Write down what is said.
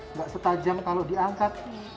nggak setajam kalau diangkat